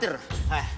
はい。